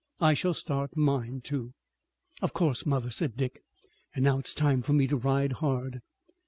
I shall start mine, too." "Of course, mother," said Dick, "and now it's time for me to ride hard."